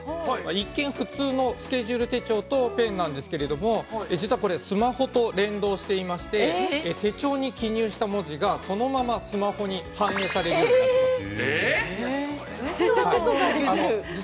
一見、普通のスケジュール手帳とペンなんですけれども、実はこれ、スマホと連動していまして、手帳に記入した文字がそのままスマホに反映されるようになっています。